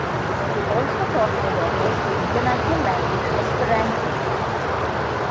They also taught their daughters the international language Esperanto.